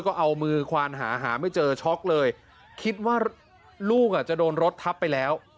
ก็เอามือควานหาหาไม่เจอช็อกเลยคิดว่าลูกอ่ะจะโดนรถทับไปแล้ว